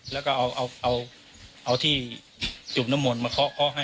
แล้วก็เอาที่จูบน้ำมนต์มาเคาะเคาะให้